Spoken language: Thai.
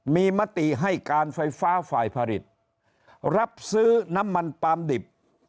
มีมติให้การไฟฟ้าฝ่ายผลิตรับซื้อน้ำมันปาล์มดิบ